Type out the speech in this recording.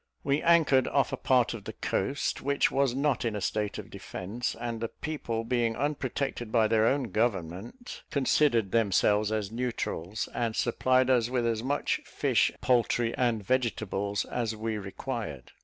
We anchored off a part of the coast, which was not in a state of defence, and the people being unprotected by their own government, considered themselves as neutrals, and supplied us with as much fish, poultry, and vegetables, as we required.